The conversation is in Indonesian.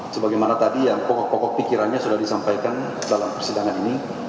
sebagaimana tadi yang pokok pokok pikirannya sudah disampaikan dalam persidangan ini